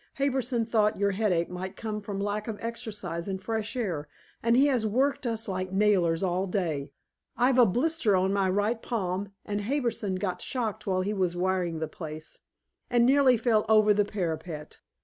"Harbison thought your headache might come from lack of exercise and fresh air, and he has worked us like nailers all day. I've a blister on my right palm, and Harbison got shocked while he was wiring the place, and nearly fell over the parapet.